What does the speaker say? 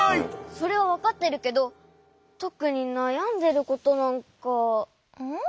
それはわかってるけどとくになやんでることなんか。